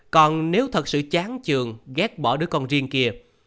còn nếu thật sự chán trường ghét bỏ đứa con riêng kia